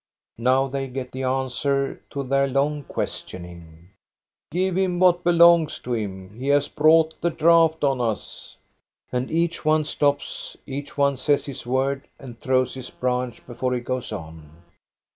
Now they get the answer to their long questioning. Give him what belongs to him ! He has brought the drought on us." And each one stops, each one says his word and throws his branch before he goes on.